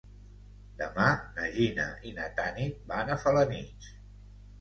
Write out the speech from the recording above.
Demà na Gina i na Tanit van a Felanitx.